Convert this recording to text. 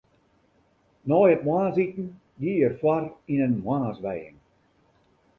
Nei it moarnsiten gie er foar yn in moarnswijing.